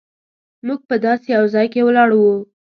موږ په داسې یو ځای کې ولاړ وو.